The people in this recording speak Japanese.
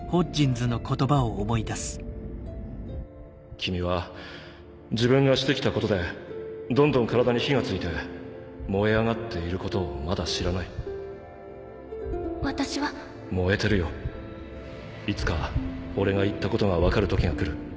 君は自分がして来たことでどんどん体に火が付いて燃え上がっていることをまだ知らないいつか俺が言ったことが分かる時が来